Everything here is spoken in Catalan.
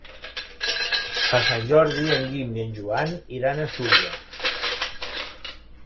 Per Sant Jordi en Guim i en Joan iran a Súria.